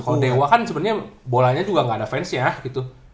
kalau dewa kan sebenarnya bolanya juga gak ada fansnya gitu